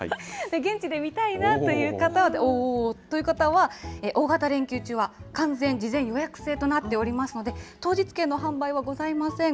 現地で見たいなという方は、大型連休中は完全事前予約制となっていますので、当日券の販売はございません。